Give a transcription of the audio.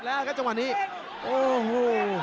แล้วครับจังหวะนี้โอ้โห